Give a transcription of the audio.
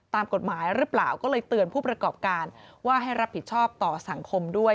ตามกฎหมายหรือเปล่าก็เลยเตือนผู้ประกอบการว่าให้รับผิดชอบต่อสังคมด้วย